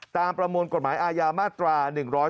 ประมวลกฎหมายอาญามาตรา๑๕